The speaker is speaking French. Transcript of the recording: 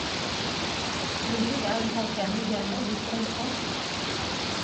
Le village renferme également des tombes antiques.